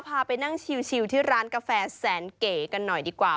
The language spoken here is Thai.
พาไปนั่งชิวที่ร้านกาแฟแสนเก๋กันหน่อยดีกว่า